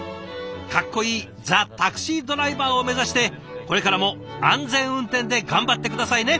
かっこいいザ・タクシードライバーを目指してこれからも安全運転で頑張って下さいね。